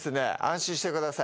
安心してください。